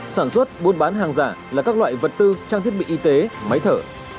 sản xuất buôn bán hàng giả là các loại vật tư trang thiết bị y tế máy thở